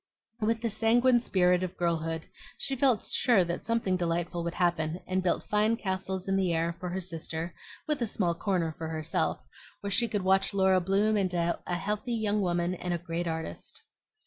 With the sanguine spirit of girlhood, she felt sure that something delightful would happen, and built fine castles in the air for her sister, with a small corner for herself, where she could watch Laura bloom into a healthy woman and a great artist.